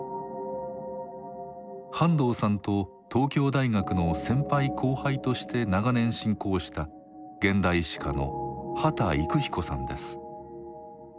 半藤さんと東京大学の先輩後輩として長年親交した現代史家の秦郁彦さんです。